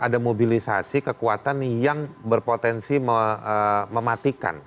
ada mobilisasi kekuatan yang berpotensi mematikan